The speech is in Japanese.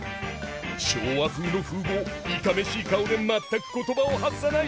昭和風の風貌いかめしい顔で全く言葉を発さない。